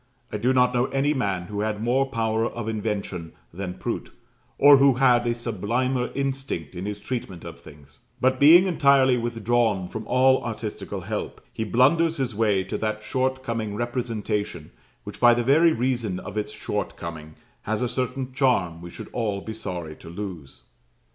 I do not know any man who had more power of invention than Prout, or who had a sublimer instinct in his treatment of things; but being entirely withdrawn from all artistical help, he blunders his way to that short coming representation, which, by the very reason of its short coming, has a certain charm we should all be sorry to lose.